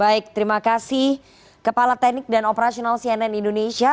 baik terima kasih kepala teknik dan operasional cnn indonesia